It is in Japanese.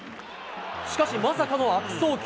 しかし、まさかの悪送球。